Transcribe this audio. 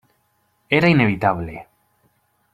Era inevitable.